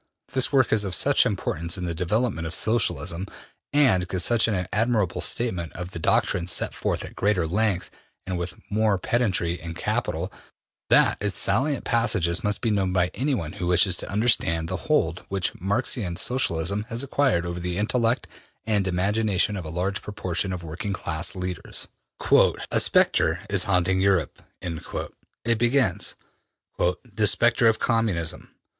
This work is of such importance in the development of Socialism and gives such an admirable statement of the doctrines set forth at greater length and with more pedantry in ``Capital,'' that its salient passages must be known by anyone who wishes to understand the hold which Marxian Socialism has acquired over the intellect and imagination of a large proportion of working class leaders. ``A spectre is haunting Europe,'' it begins, ``the spectre of Communism.